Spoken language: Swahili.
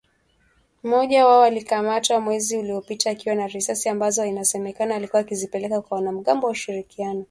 Mmoja wao alikamatwa mwezi uliopita akiwa na risasi ambazo inasemekana alikuwa akizipeleka kwa wanamgambo wa Ushirikiano kwa Maendelea ya Kongo.